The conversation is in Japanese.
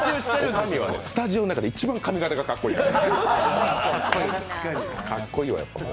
おかみはスタジオの中で一番髪形がかっこいいから。